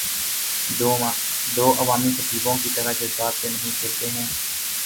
وہ عوامی خطیبوں کی طرح جذبات سے نہیں کھیلتے تھے۔